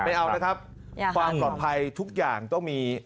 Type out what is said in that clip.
ไม่เอานะครับความปลอดภัยทุกอย่างต้องมี